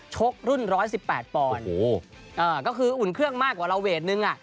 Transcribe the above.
ชกรุ่นรุ่น๑๑๘ปอนก็คืออุ่นเครื่องมากกว่าเราเวทนึง